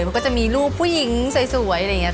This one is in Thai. มันก็จะมีรูปผู้หญิงสวยอะไรอย่างนี้